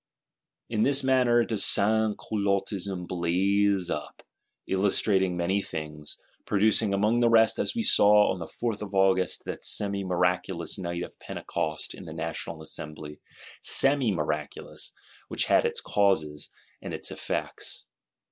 _ In this manner does Sansculottism blaze up, illustrating many things;—producing, among the rest, as we saw, on the Fourth of August, that semi miraculous Night of Pentecost in the National Assembly; semi miraculous, which had its causes, and its effects.